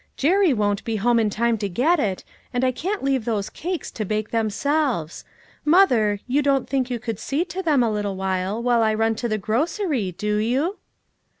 "Jerry won't be home in time to get it, and I can't leave those cakes to bake themselves; mother, you don't think you could see to them a little while till I run to the grocery, do you?"